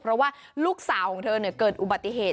เพราะว่าลูกสาวของเธอเกิดอุบัติเหตุ